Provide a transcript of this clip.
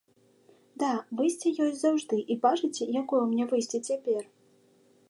Да, выйсце ёсць заўжды і бачыце, якое ў мяне выйсце цяпер?